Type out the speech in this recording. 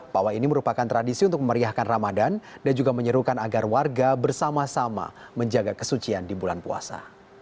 pawai ini merupakan tradisi untuk memeriahkan ramadan dan juga menyerukan agar warga bersama sama menjaga kesucian di bulan puasa